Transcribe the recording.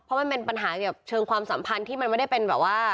เพราะมันเป็นปัญหาเกี่ยวกับเชิงความสัมพันธ์ที่มันไม่ได้เป็นแบบว่า